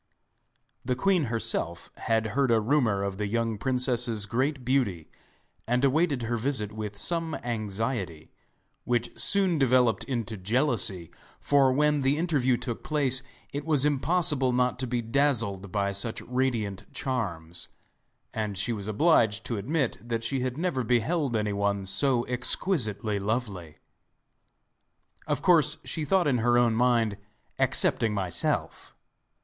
The queen herself had heard a rumour of the young princess's great beauty, and awaited her visit with some anxiety, which soon developed into jealousy, for when the interview took place it was impossible not to be dazzled by such radiant charms, and she was obliged to admit that she had never beheld anyone so exquisitely lovely. Of course she thought in her own mind 'excepting myself!